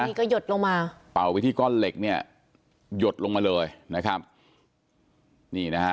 นี่ก็หยดลงมาเป่าไปที่ก้อนเหล็กเนี่ยหยดลงมาเลยนะครับนี่นะฮะ